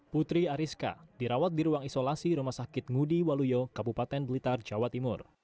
putri ariska dirawat di ruang isolasi rumah sakit ngudi waluyo kabupaten blitar jawa timur